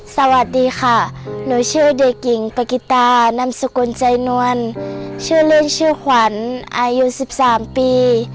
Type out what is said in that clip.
สวัสดีค่ะหนูชื่อเด็กหญิงปิตานำสกุลใจนวลชื่อเล่นชื่อขวัญอายุ๑๓ปี